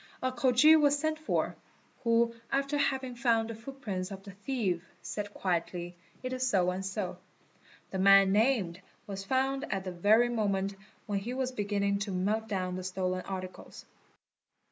A Khoji was sent for, who after having found the footprints of the thief said quietly: it is so and so. The man named was found at the very moment when he was beginning to melt down the stolen articles.